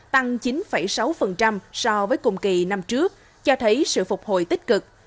tăng chín sáu so với cùng kỳ năm trước cho thấy sự phục hồi tích cực